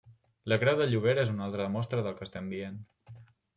La creu de Llobera és una altra mostra del que estem dient.